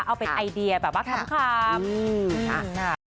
เอาเป็นไอเดียแบบว่าคำ